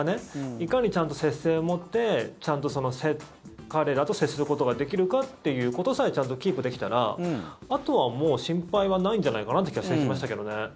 いかにちゃんと節制を持って彼らと接することができるかっていうことさえちゃんとキープできたらあとはもう心配はないんじゃないかなって気がしてきましたけどね。